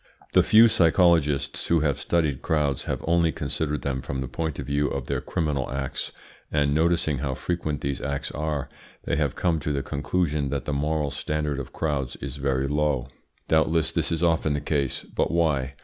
The few psychologists who have studied crowds have only considered them from the point of view of their criminal acts, and noticing how frequent these acts are, they have come to the conclusion that the moral standard of crowds is very low. Doubtless this is often the case; but why?